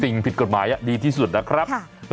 สิ่งผิดกฎหมายดีที่สุดนะครับ